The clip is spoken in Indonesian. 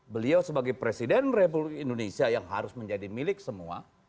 beliau sebagai presiden republik indonesia yang harus menjadi milik semua